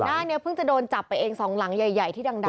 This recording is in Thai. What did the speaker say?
หน้านี้เพิ่งจะโดนจับไปเองสองหลังใหญ่ที่ดัง